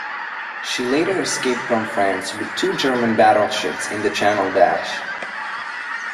She later escaped from France with two other German battleships in the Channel Dash.